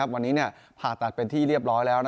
วันนี้ผ่าตัดเป็นที่เรียบร้อยแล้ว